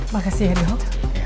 makasih ya dok